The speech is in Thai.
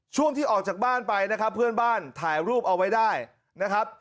ช่วงที่ออกจากบ้านไปนะครับเพื่อนบ้านถ่ายรูปเอาไว้ได้นะครับ